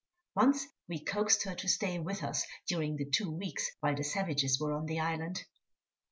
Once we coaxed her to stay with us during the two weeks while the savages were on the island.